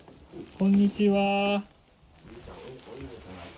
こんにちは。